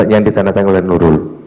yang ditandatanggung lalu